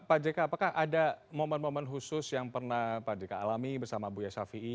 pak jeka apakah ada momen momen khusus yang pernah pak jeka alami bersama buya shafi'i